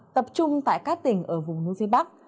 tập trung tại các tỉnh ở vùng núi phía bắc